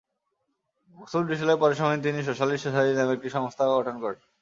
Oxford বিশ্ববিদ্যালয়ে পড়ার সময়ই তিনি সোশ্যালিস্ট সোসাইটি নামে এক সংস্থা গঠন করেন।